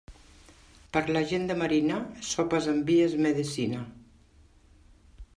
Per la gent de marina, sopes amb vi és medecina.